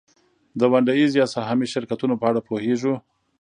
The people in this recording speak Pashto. د ونډه ایز یا سهامي شرکتونو په اړه پوهېږو